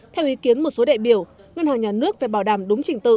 theo ý kiến một số đại biểu ngân hàng nhà nước phải bảo đảm đúng trình tự